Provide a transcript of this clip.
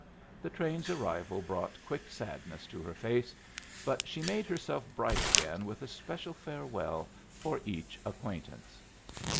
The train's arrival brought quick sadness to her face, but she made herself bright again with a special farewell for each acquaintance.